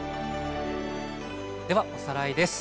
ではおさらいです。